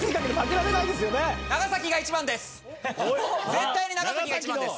絶対に長崎が一番です！